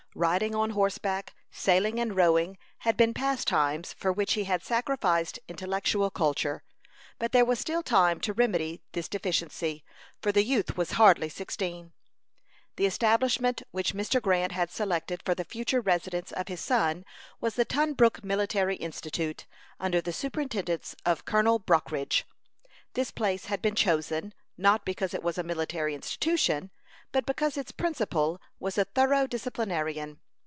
Riding on horseback, sailing and rowing, had been pastimes for which he had sacrificed intellectual culture. But there was still time to remedy this deficiency, for the youth was hardly sixteen. The establishment which Mr. Grant had selected for the future residence of his son was the Tunbrook Military Institute, under the superintendence of Colonel Brockridge. This place had been chosen, not because it was a military institution, but because its principal was a thorough disciplinarian.